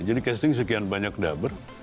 jadi casting sekian banyak dubber